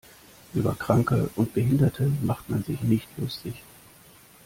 Über Kranke und Behinderte macht man sich nicht lustig.